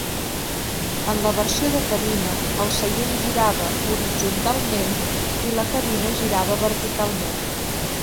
En la versió de cabina, el seient girava horitzontalment i la cabina girava verticalment.